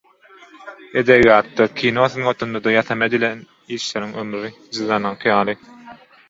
Edebiýatda, kino sungatynda-da ýasama edilen işleriň ömri jyzlanyňky ýaly.